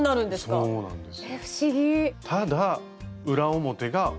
はいそうなんです。